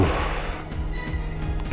cabut dulu gue